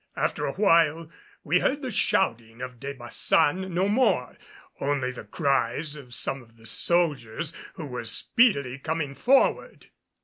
After a while, we heard the shouting of De Baçan no more, only the cries of some of the soldiers who were speedily coming forward.